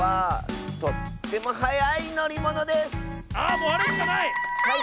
もうあれしかない！